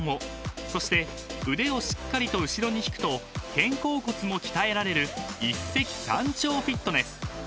［そして腕をしっかりと後ろに引くと肩甲骨も鍛えられる一石三鳥フィットネス］